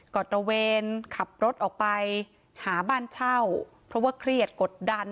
ก็ตระเวนขับรถออกไปหาบ้านเช่าเพราะว่าเครียดกดดัน